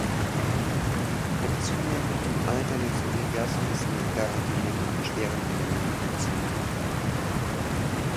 Mit zunehmendem Alter des Universums nimmt daher die Menge an schweren Elementen zu.